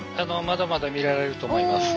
まだまだ見られると思います。